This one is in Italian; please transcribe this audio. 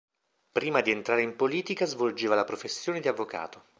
Prima di entrare in politica svolgeva la professione di avvocato.